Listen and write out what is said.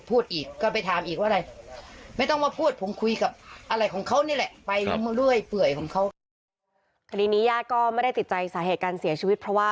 พูดอีกก็ไปถามอีกว่าอะไรไม่ตั้งว่าพูดผมคุยกับอะไรของเขานี่แหละ